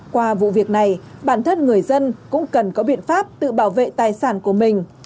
qua vụ việc này bản thân người dân cũng cần có biện pháp tự bảo vệ tài sản của mình